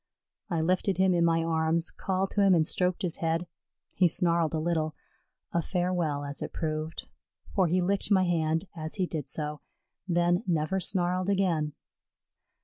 I lifted him in my arms, called to him and stroked his head. He snarled a little, a farewell as it proved, for he licked my hand as he did so, then never snarled again.